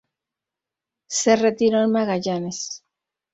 Se retiró en Magallanes.